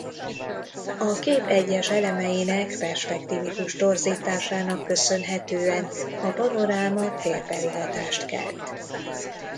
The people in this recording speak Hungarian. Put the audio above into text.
A kép egyes elemeinek perspektivikus torzításának köszönhetően a panoráma térbeli hatást kelt.